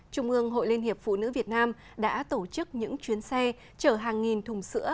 trung ương hội liên hiệp phụ nữ việt nam đã tổ chức những chuyến xe chở hàng nghìn thùng sữa